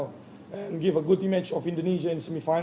dan memberikan pandangan indonesia di semisal ini